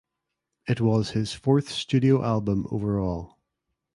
It was his fourth studio album overall.